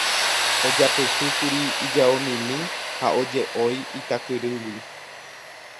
Ojapyhýkuri ijaomimi ha oje'ói Itakyrýgui.